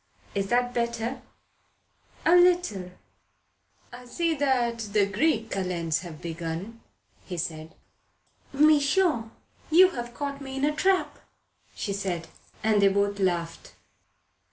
"Is that better?" "A little." "I see the Greek Kalends have begun," said he. "Mechant, you have caught me in a trap," said she. And they both laughed.